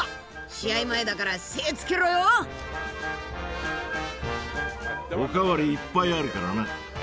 試合前だから精つけろよ。おかわりいっぱいあるからな。